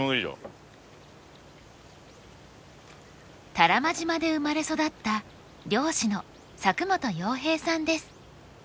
多良間島で生まれ育った漁師の佐久本洋平さんです。